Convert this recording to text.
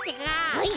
はい！